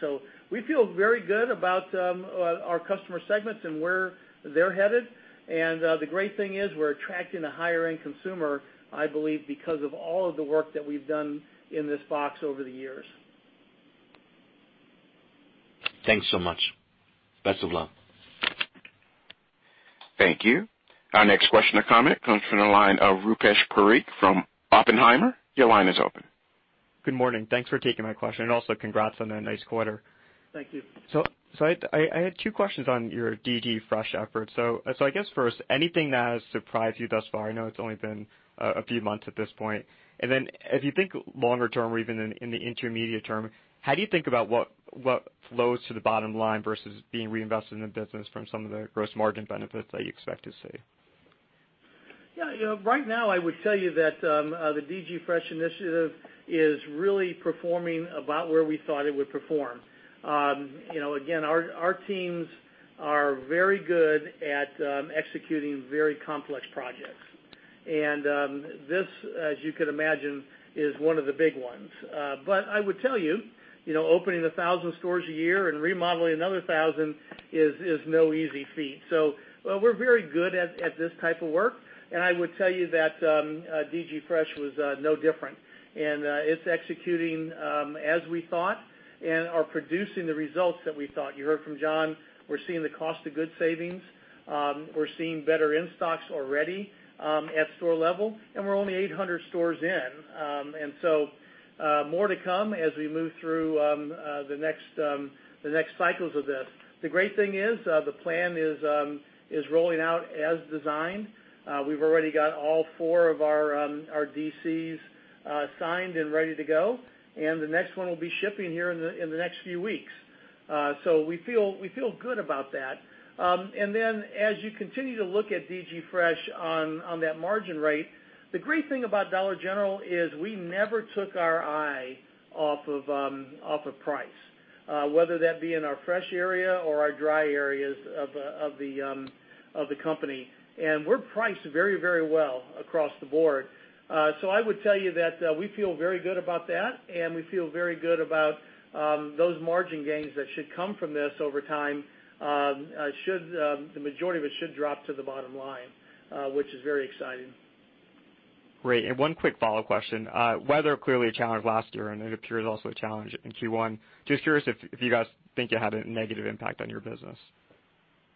We feel very good about our customer segments and where they're headed. The great thing is we're attracting a higher-end consumer, I believe, because of all of the work that we've done in this box over the years. Thanks so much. Best of luck. Thank you. Our next question or comment comes from the line of Rupesh Parikh from Oppenheimer. Your line is open. Good morning. Thanks for taking my question. Also congrats on a nice quarter. Thank you. I had two questions on your DG Fresh effort. I guess first, anything that has surprised you thus far? I know it's only been a few months at this point. Then as you think longer term or even in the intermediate term, how do you think about what flows to the bottom line versus being reinvested in the business from some of the gross margin benefits that you expect to see? Right now I would tell you that the DG Fresh initiative is really performing about where we thought it would perform. Again, our teams are very good at executing very complex projects. This, as you could imagine, is one of the big ones. I would tell you, opening 1,000 stores a year and remodeling another 1,000 is no easy feat. We're very good at this type of work, and I would tell you that DG Fresh was no different. It's executing as we thought and are producing the results that we thought. You heard from John, we're seeing the cost of goods savings. We're seeing better in-stocks already at store level, and we're only 800 stores in. More to come as we move through the next cycles of this. The great thing is the plan is rolling out as designed. We've already got all four of our DCs signed and ready to go, the next one will be shipping here in the next few weeks. We feel good about that. As you continue to look at DG Fresh on that margin rate, the great thing about Dollar General is we never took our eye off of price, whether that be in our fresh area or our dry areas of the company. We're priced very well across the board. I would tell you that we feel very good about that, and we feel very good about those margin gains that should come from this over time. The majority of it should drop to the bottom line, which is very exciting. Great. One quick follow question. Weather clearly a challenge last year, and it appears also a challenge in Q1. Just curious if you guys think it had a negative impact on your business.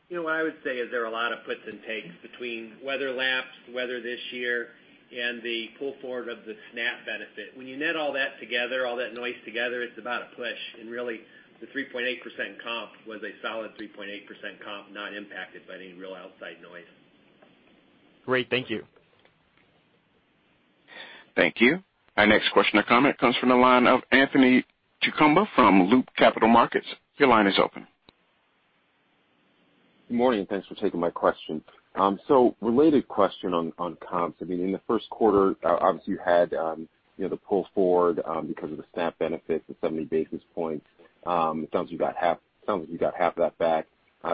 What I would say is there are a lot of puts and takes between weather lapsed, weather this year, and the pull forward of the SNAP benefit. When you net all that together, all that noise together, it's about a push. Really, the 3.8% comp was a solid 3.8% comp, not impacted by any real outside noise. Great. Thank you. Thank you. Our next question or comment comes from the line of Anthony Chukumba from Loop Capital Markets. Your line is open. Good morning. Thanks for taking my question. Related question on comps. In the first quarter, obviously, you had the pull forward because of the SNAP benefits of 70 basis points. It sounds like you got half of that back.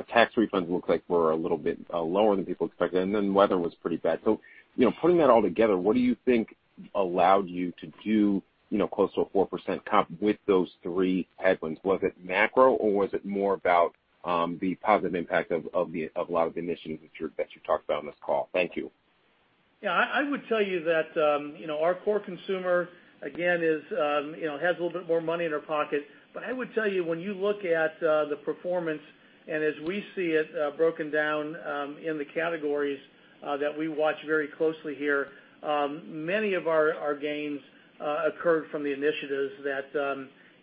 Tax refunds looked like were a little bit lower than people expected. Weather was pretty bad. Putting that all together, what do you think allowed you to do close to a 4% comp with those three headwinds? Was it macro, or was it more about the positive impact of a lot of the initiatives that you talked about on this call? Thank you. Yeah. I would tell you that our core consumer, again, has a little bit more money in their pocket. I would tell you, when you look at the performance and as we see it broken down in the categories that we watch very closely here, many of our gains occurred from the initiatives that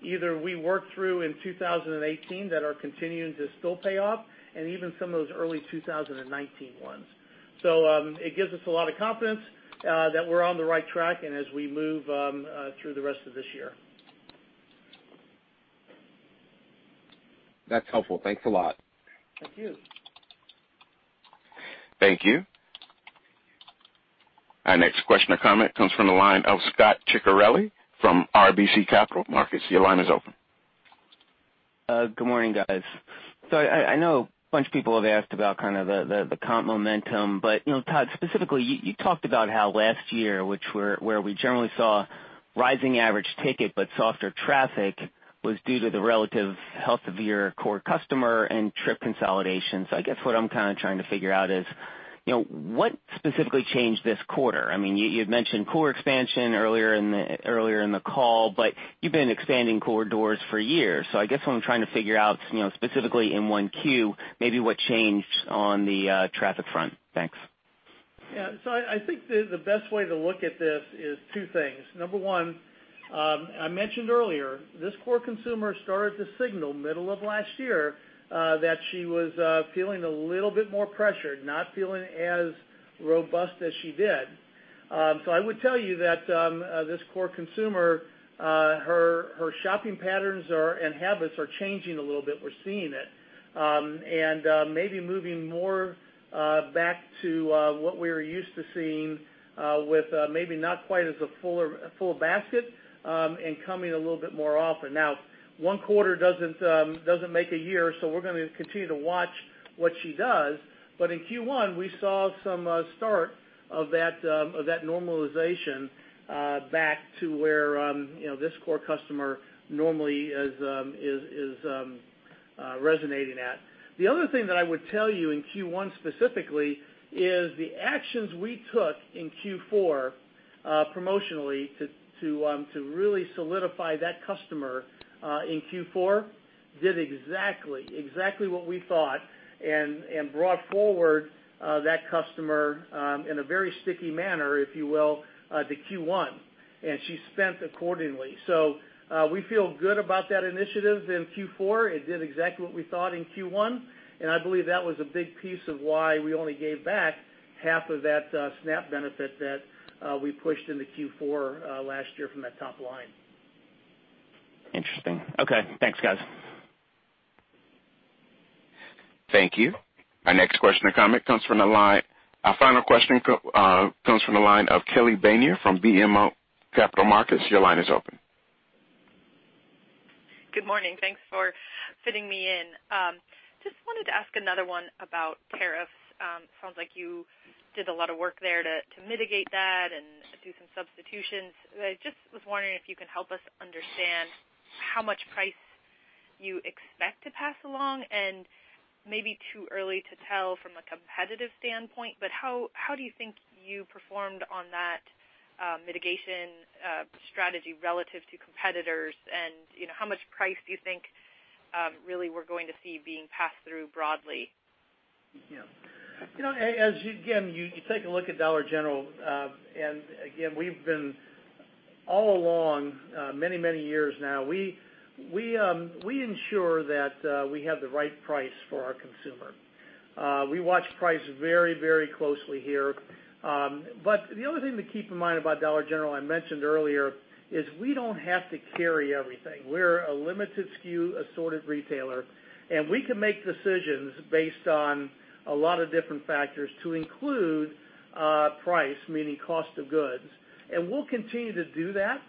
either we worked through in 2018 that are continuing to still pay off and even some of those early 2019 ones. It gives us a lot of confidence that we're on the right track and as we move through the rest of this year. That's helpful. Thanks a lot. Thank you. Thank you. Our next question or comment comes from the line of Scot Ciccarelli from RBC Capital Markets. Your line is open. Good morning, guys. I know a bunch of people have asked about the comp momentum, Todd, specifically, you talked about how last year, where we generally saw rising average ticket but softer traffic was due to the relative health of your core customer and trip consolidation. I guess what I'm trying to figure out is, what specifically changed this quarter? You'd mentioned core expansion earlier in the call, but you've been expanding core doors for years. I guess what I'm trying to figure out, specifically in Q1, maybe what changed on the traffic front. Thanks. Yeah. I think the best way to look at this is two things. Number 1, I mentioned earlier, this core consumer started to signal middle of last year that she was feeling a little bit more pressured, not feeling as robust as she did. I would tell you that this core consumer, her shopping patterns and habits are changing a little bit. We're seeing it. Maybe moving more back to what we were used to seeing with maybe not quite as a full basket, and coming a little bit more often. Now, one quarter doesn't make a year, we're going to continue to watch what she does. In Q1, we saw some start of that normalization back to where this core customer normally is resonating at. The other thing that I would tell you in Q1 specifically is the actions we took in Q4 promotionally to really solidify that customer in Q4 did exactly what we thought and brought forward that customer in a very sticky manner, if you will, to Q1, and she spent accordingly. We feel good about that initiative in Q4. It did exactly what we thought in Q1, and I believe that was a big piece of why we only gave back half of that SNAP benefit that we pushed into Q4 last year from that top line. Interesting. Okay, thanks guys. Thank you. Our final question comes from the line of Kelly Bania from BMO Capital Markets. Your line is open. Good morning. Thanks for fitting me in. Wanted to ask another one about tariffs. Sounds like you did a lot of work there to mitigate that and do some substitutions. I just was wondering if you can help us understand how much price you expect to pass along, and maybe too early to tell from a competitive standpoint, but how do you think you performed on that mitigation strategy relative to competitors? How much price do you think really we're going to see being passed through broadly? Yeah. You take a look at Dollar General, and again, we've been all along, many years now, we ensure that we have the right price for our consumer. We watch price very closely here. The other thing to keep in mind about Dollar General I mentioned earlier is we don't have to carry everything. We're a limited SKU assorted retailer, and we can make decisions based on a lot of different factors to include price, meaning cost of goods. We'll continue to do that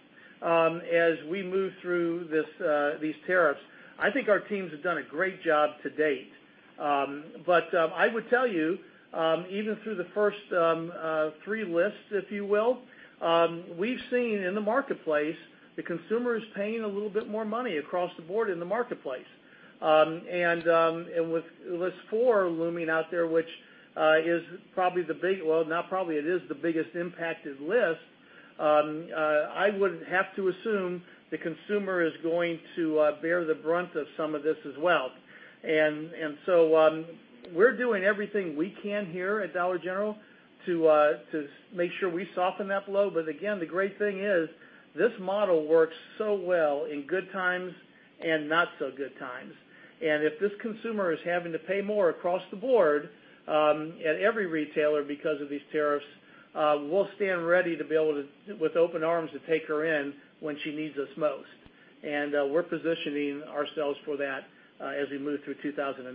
as we move through these tariffs. I think our teams have done a great job to date. I would tell you, even through the first three lists, if you will, we've seen in the marketplace, the consumer is paying a little bit more money across the board in the marketplace. With list four looming out there, which is probably, well, not probably, it is the biggest impacted list, I would have to assume the consumer is going to bear the brunt of some of this as well. We're doing everything we can here at Dollar General to make sure we soften that blow. Again, the great thing is this model works so well in good times and not so good times. If this consumer is having to pay more across the board at every retailer because of these tariffs, we'll stand ready to be able to, with open arms, to take her in when she needs us most. We're positioning ourselves for that as we move through 2019.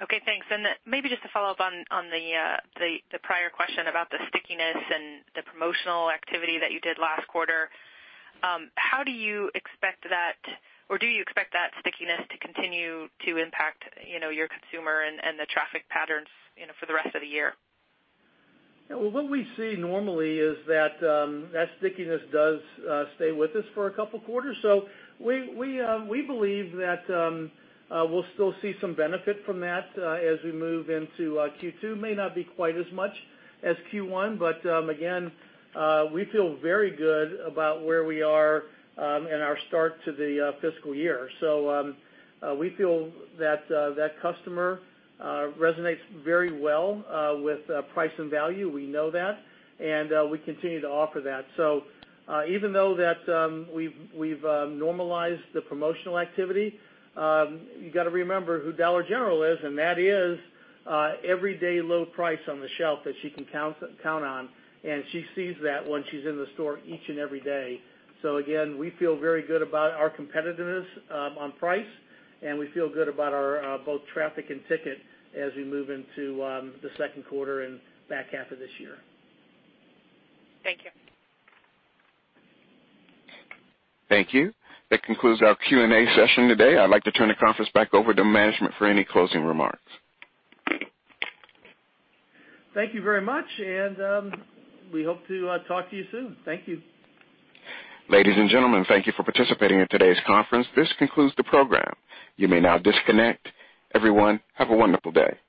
Okay, thanks. Maybe just to follow up on the prior question about the stickiness and the promotional activity that you did last quarter. How do you expect that, or do you expect that stickiness to continue to impact your consumer and the traffic patterns for the rest of the year? Yeah. What we see normally is that stickiness does stay with us for a couple quarters. We believe that we'll still see some benefit from that as we move into Q2. May not be quite as much as Q1, but again, we feel very good about where we are in our start to the fiscal year. We feel that customer resonates very well with price and value. We know that, and we continue to offer that. Even though that we've normalized the promotional activity, you got to remember who Dollar General is, and that is everyday low price on the shelf that she can count on, and she sees that when she's in the store each and every day. Again, we feel very good about our competitiveness on price, and we feel good about our both traffic and ticket as we move into the second quarter and back half of this year. Thank you. Thank you. That concludes our Q&A session today. I'd like to turn the conference back over to management for any closing remarks. Thank you very much, and we hope to talk to you soon. Thank you. Ladies and gentlemen, thank you for participating in today's conference. This concludes the program. You may now disconnect. Everyone, have a wonderful day.